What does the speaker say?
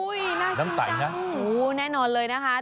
อุ้ยน่าชังน่าแน่นอนเลยนะคะ